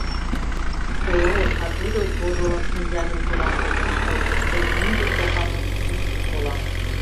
Тый огыл, а тудо, вожылын, шинчажым кораҥдыже...» — пылышыштем мӱндыр кокамын йӱкшым колам.